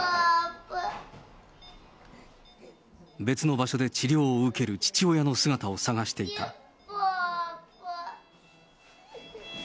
別の場所で治療を受ける父親の姿を探していた。